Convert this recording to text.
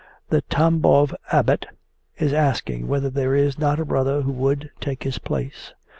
The Tambov Abbot is asking whether there is not a brother who would take his place.